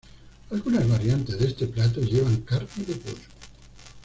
Algunas variantes de este plato llevan carne de pollo.